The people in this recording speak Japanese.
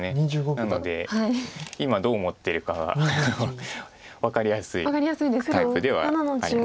なので今どう思っているかは分かりやすいタイプではあります。